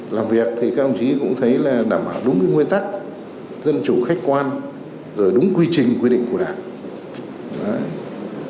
đảm bảo đúng nguyên tắc dân chủ khách quan đúng quy trình quy định của đảng